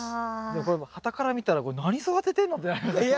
これはたから見たら何育ててんのってなりますよね。